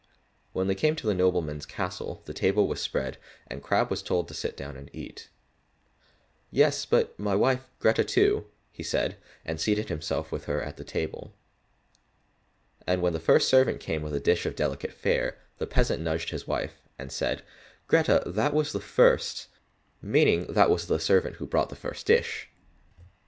When they came to the nobleman's castle, the table was spread, and Crabb was told to sit down and eat. "Yes, but my wife, Grethe, too," said he, and he seated himself with her at the table. And when the first servant came with a dish of delicate fare, the peasant nudged his wife, and said, "Grethe, that was the first," meaning that was the servant who brought the first dish.